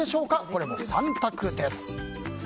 これも３択です。